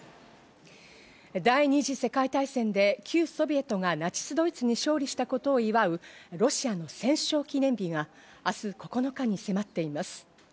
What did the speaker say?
第二次世界大戦で旧ソビエトがナチス・ドイツに勝利したことを祝うロシアの戦勝記念日が、明日９日に迫っています。